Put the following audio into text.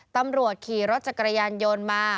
ตำรวจขี่รถจักรยานยนต์มา